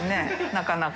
なかなか。